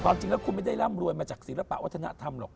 จริงแล้วคุณไม่ได้ร่ำรวยมาจากศิลปะวัฒนธรรมหรอก